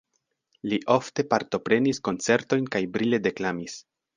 Li ofte partoprenis koncertojn kaj brile deklamis.